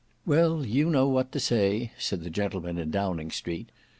"Well you know what to say," said the gentleman in Downing Street.